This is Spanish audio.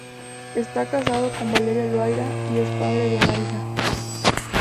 Está casado con Valeria Loira, y es padre de una hija.